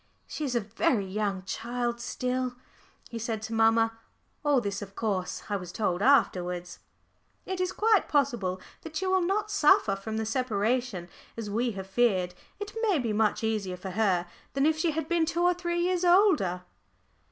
"She is a very young child still," he said to mamma. (All this of course I was told afterwards.) "It is quite possible that she will not suffer from the separation as we have feared. It may be much easier for her than if she had been two or three years older."